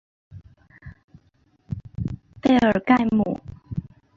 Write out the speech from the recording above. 贝尔盖姆。